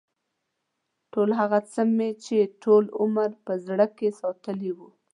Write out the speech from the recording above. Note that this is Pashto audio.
ټول هغه څه مې چې ټول عمر مې په زړه کې ساتلي و.